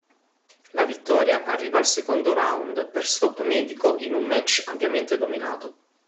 La vittoria arriva al secondo round per stop medico in un match ampiamente dominato.